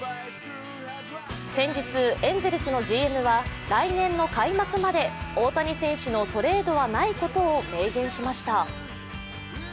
先日、エンゼルスのＧＭは来年の開幕まで大谷選手のトレードはないことを明言しました。